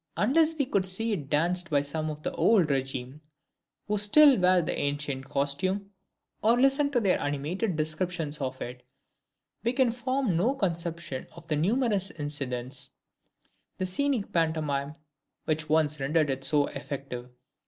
Unless we could see it danced by some of the old regime who still wear the ancient costume, or listen to their animated descriptions of it, we can form no conception of the numerous incidents, the scenic pantomime, which once rendered it so effective.